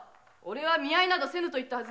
見合いなどせぬと言ったはず。